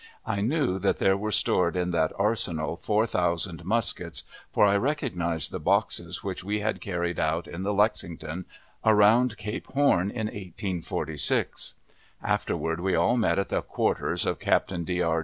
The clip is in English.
I knew that there were stored in that arsenal four thousand muskets, for I recognized the boxes which we had carried out in the Lexington around Cape Horn in 1846. Afterward we all met at the quarters of Captain D. R.